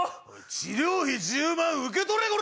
治療費１０万受け取れ！